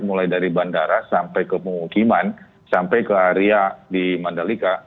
mulai dari bandara sampai ke pemukiman sampai ke area di mandalika